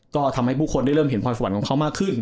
ก็ทำให้ผู้คนได้เริ่มเห็นพรสวรรค์ของเขามากขึ้น